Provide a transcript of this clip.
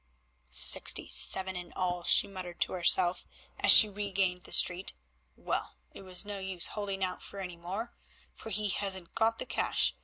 "Sixty seven in all," she muttered to herself as she regained the street. "Well, it was no use holding out for any more, for he hasn't got the cash.